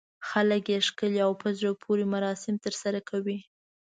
خلک یې ښکلي او په زړه پورې مراسم ترسره کوي.